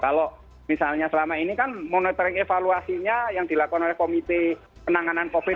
kalau misalnya selama ini kan monitoring evaluasinya yang dilakukan oleh komite penanganan covid sembilan belas